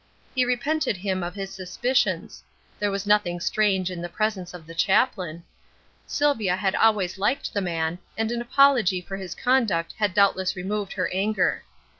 He repented him of his suspicions. There was nothing strange in the presence of the chaplain. Sylvia had always liked the man, and an apology for his conduct had doubtless removed her anger.